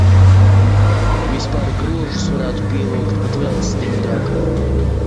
Vispār grožus varētu pievilkt pat vēl stingrāk.